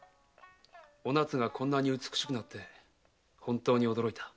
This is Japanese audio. お奈津がこんなに美しくなって本当に驚いた。